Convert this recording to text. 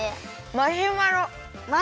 マシュマロ。